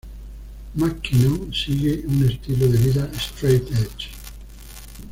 McKinnon sigue un estilo de vida "straight edge".